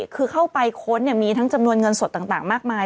คือเข้าไปค้นมีทั้งจำนวนเงินสดต่างมากมาย